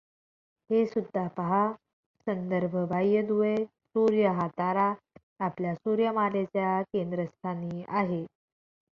हेसुद्धा पाहा संदर्भ बाह्य दुवे सूर्य हा तारा आपल्या सूर्यमालेच्या केंद्रस्थानी आहे.